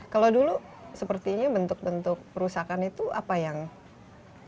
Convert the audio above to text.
kalau dulu sepertinya bentuk bentuk perusakan itu apa yang dilakukan